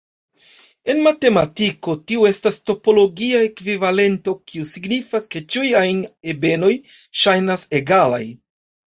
En matematiko, tio estas topologia ekvivalento, kio signifas, ke ĉiuj ajn ebenoj ŝajnas egalaj.